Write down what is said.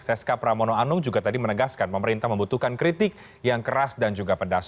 seska pramono anung juga tadi menegaskan pemerintah membutuhkan kritik yang keras dan juga pedas